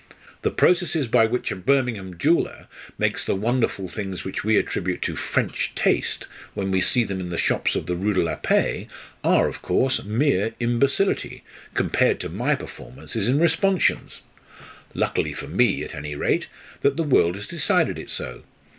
The processes by which a Birmingham jeweller makes the wonderful things which we attribute to 'French taste' when we see them in the shops of the Rue de la Paix are, of course, mere imbecility compared to my performances in Responsions. Lucky for me, at any rate, that the world has decided it so.